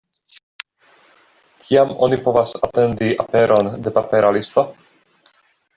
Kiam oni povas atendi aperon de papera listo?